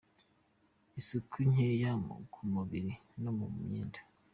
Isuku nkeya ku mubiri no mu myenda.